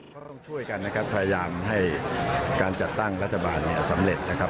ก็ต้องช่วยกันนะครับพยายามให้การจัดตั้งรัฐบาลเนี่ยสำเร็จนะครับ